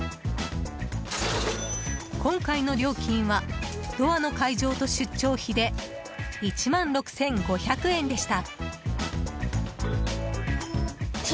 今回の料金はドアの解錠と出張費で１万６５００円でした。